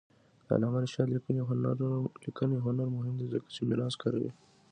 د علامه رشاد لیکنی هنر مهم دی ځکه چې میراث کاروي.